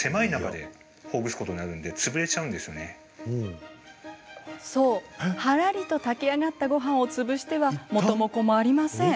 そう、はらりと炊き上がったごはんを潰しては元も子もありません。